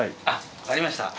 わかりました。